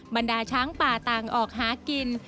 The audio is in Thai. บรรดาช้างป่าต่างออกหากิน